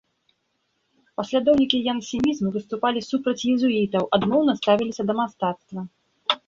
Паслядоўнікі янсенізму выступалі супраць езуітаў, адмоўна ставіліся да мастацтва.